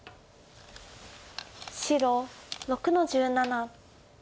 白６の十七。